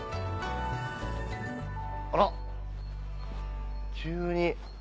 あら急に。